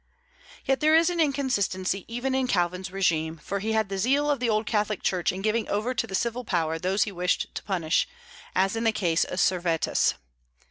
Yet there is an inconsistency even in Calvin's régime; for he had the zeal of the old Catholic Church in giving over to the civil power those he wished to punish, as in the case of Servetus.